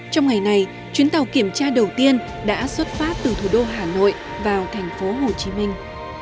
trong ngày này chuyến tàu kiểm tra đầu tiên đã xuất phát từ thủ đô hà nội vào thành phố hồ chí minh